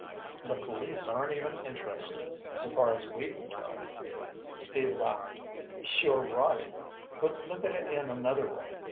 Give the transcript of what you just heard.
The police aren't even interested, so far as we can tell." Steve laughed. "You're right. But look at it in another way.